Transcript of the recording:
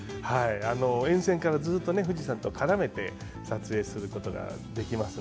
沿線から富士山と絡めて撮影することができます。